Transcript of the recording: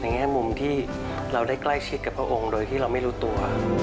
แง่มุมที่เราได้ใกล้ชิดกับพระองค์โดยที่เราไม่รู้ตัว